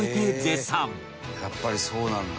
「やっぱりそうなんだ」